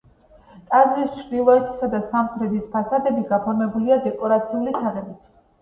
ტაძრის ჩრდილოეთისა და სამხრეთის ფასადები გაფორმებულია დეკორაციული თაღებით.